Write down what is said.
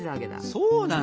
そうなのよ。